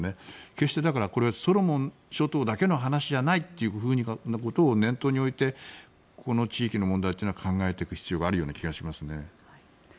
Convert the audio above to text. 決してこれはソロモン諸島だけの話じゃないってことを念頭に置いてこの地域の問題は考えていく必要がある気がします。